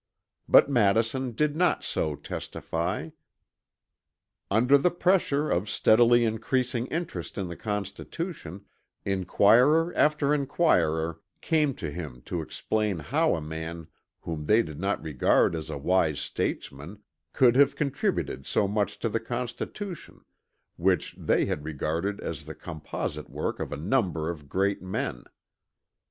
But Madison did not so testify. Under the pressure of steadily increasing interest in the Constitution, inquirer after inquirer came to him to explain how a man whom they did not regard as a wise statesman could have contributed so much to the Constitution, which they had regarded as the composite work of a number of great men.